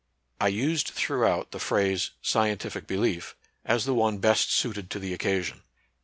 I used throughout the phrase " scientific be lief," as the one best suited to the occasion.